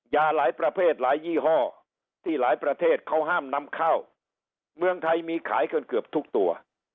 ยาหลายประเภทหลายยี่ห้อที่หลายประเทศเขาห้ามนำเข้าเมืองไทยมีขายกันเกือบทุกตัว